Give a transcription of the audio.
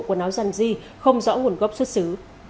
quần áo dân di không rõ nguồn gốc xuất xứ